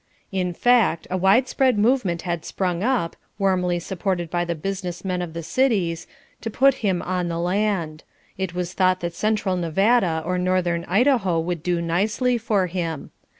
In fact, a widespread movement had sprung up, warmly supported by the business men of the cities, to put him on the land. It was thought that central Nevada or northern Idaho would do nicely for him.